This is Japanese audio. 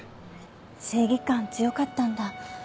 正義感強かったんだ。